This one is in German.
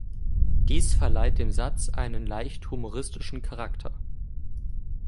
Dies verleiht dem Satz einen leicht humoristischen Charakter.